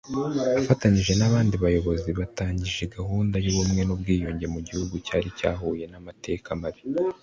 Afatanyije n’abandi bayobozi batangije gahunda y’ubumwe n’ubwiyunge mu gihugu cyari cyahuye n’amateka mabi